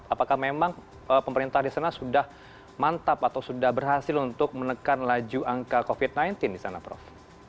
apakah memang pemerintah di sana sudah mantap atau sudah berhasil untuk menekan laju angka covid sembilan belas di sana prof